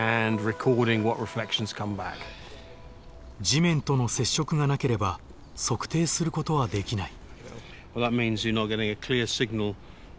地面との接触がなければ測定することはできない。